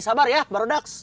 sabar ya baru deks